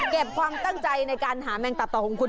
ความตั้งใจในการหาแมงตับต่อของคุณ